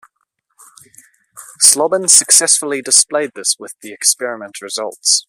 Slobin successfully displayed this with the experiment results.